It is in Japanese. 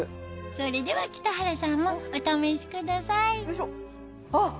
それでは北原さんもお試しくださいあっ！